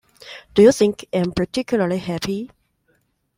Do you think I'm particularly happy?